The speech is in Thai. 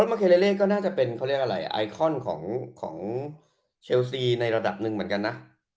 ครับมะเครเลเลก็น่าจะเป็นไอคอนของเชลซีในระดับหนึ่งเหมือนกันนะ